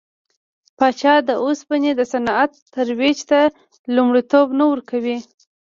پاچا د اوسپنې د صنعت ترویج ته لومړیتوب نه ورکاوه.